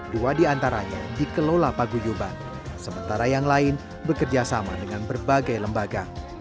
dua diantaranya dikelola paguyuban sementara yang lain bekerjasama dengan berbagai lembaga